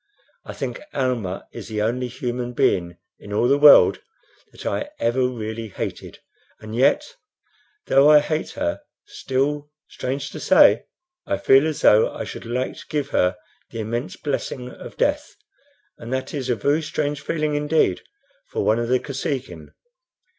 I think Almah is the only human being in all the world that I ever really hated; and yet, though I hate her, still, strange to say, I feel as though I should like to give her the immense blessing of death, and that is a very strange feeling, indeed, for one of the Kosekin.